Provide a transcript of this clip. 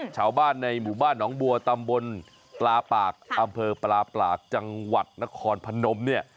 ชาวบ้านในหมู่บ้านหนองบัวตำบลปลาปากอำเภอปลาปากจังหวัดนครพนมเนี่ย